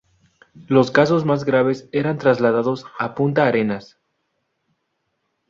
Los casos más graves eran trasladados a Punta Arenas.